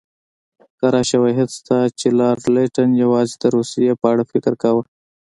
کره شواهد شته چې لارډ لیټن یوازې د روسیې په اړه فکر کاوه.